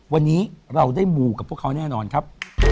วันนี้เราได้มูกับพวกเขาแน่นอนครับ